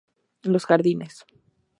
Los Jardines.